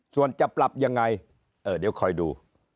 ส่วนจะปรับยังไงเออเดี๋ยวคอยดู